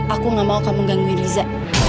aku gak mau kamu gangguin riza